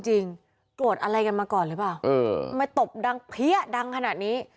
บ๊วยโกรธอะไรกันมาก่อนเลยบ้างทำไมตบดังเพี้ยดังขนาดนี้